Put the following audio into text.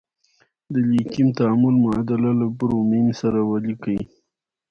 د لیتیم تعامل معادله له برومین سره ولیکئ.